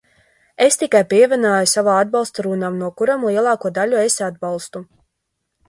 Es tikai pievienoju savu atbalstu runām, no kurām lielāko daļu es atbalstu.